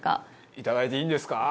いただいていいんですか？